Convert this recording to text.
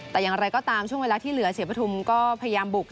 แต่อย่างไรก็ตามช่วงเวลาที่เหลือเสียปฐุมก็พยายามบุก